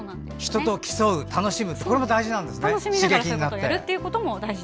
人と競う、楽しむのも大事なんですね。